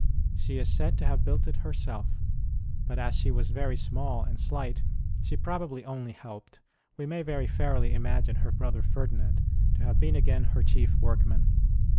She is said to have built it herself, but as she was very small and slight, she probably only helped : we may very fairly imagine her brother Ferdinand to have been again her chief workman.